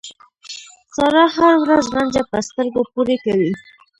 سارا هر ورځ رانجه په سترګو پورې کوي.